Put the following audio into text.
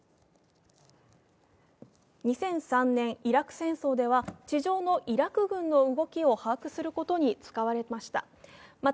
２００３年イラク戦争では地上のイラク軍の動きを把握することに使われました。